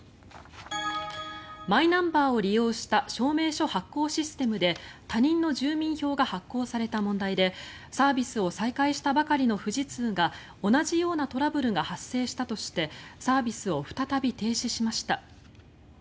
マイナンバーを利用した証明書発行システムで他人の住民票が発行された問題でサービスを再開したばかりの富士通が同じようなトラブルが発生したとしてサービスを再び停止しました。